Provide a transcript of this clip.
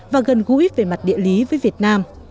và gần gũi về mặt địa lý với việt nam